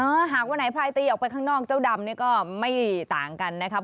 หากวันไหนพลายตีออกไปข้างนอกเจ้าดำเนี่ยก็ไม่ต่างกันนะครับ